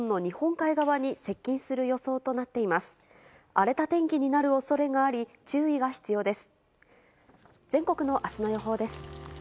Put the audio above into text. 荒れた天気になる恐れがあり注意が必要です。